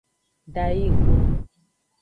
Dayi go.